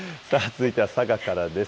続いては佐賀からです。